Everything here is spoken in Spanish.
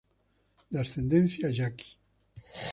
De ascendencia yaqui.